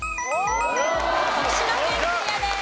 徳島県クリアです。